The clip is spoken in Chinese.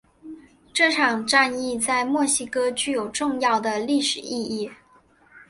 这场战役在墨西哥具有重要的历史意义。